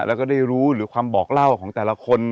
แล้วก็ได้รู้หรือความบอกเล่าของแต่ละคน